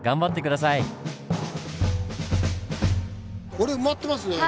これ埋まってますね。